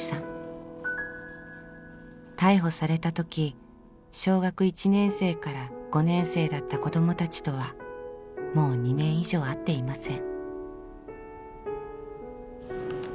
逮捕されたとき小学１年生から５年生だった子どもたちとはもう２年以上会っていません。